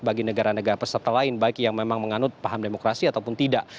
bagi negara negara peserta lain baik yang memang menganut paham demokrasi ataupun tidak